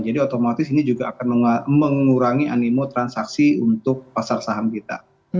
jadi otomatis ini juga akan mengurangi animo transaksi untuk pasar saham kita